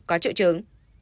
có triệu chứng